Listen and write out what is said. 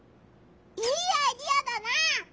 いいアイデアだな！